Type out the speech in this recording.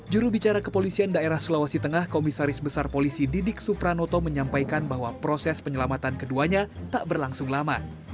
jurubicara kepolisian daerah sulawesi tengah komisaris besar polisi didik supranoto menyampaikan bahwa proses penyelamatan keduanya tak berlangsung lama